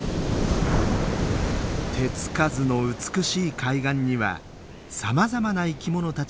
手付かずの美しい海岸にはさまざまな生き物たちがやって来ます。